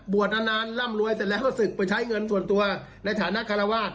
นานร่ำรวยเสร็จแล้วก็ศึกไปใช้เงินส่วนตัวในฐานะคารวาส